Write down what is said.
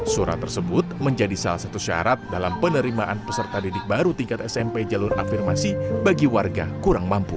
surat tersebut menjadi salah satu syarat dalam penerimaan peserta didik baru tingkat smp jalur afirmasi bagi warga kurang mampu